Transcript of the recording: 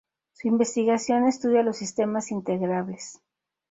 Su investigación estudia los sistemas integrables.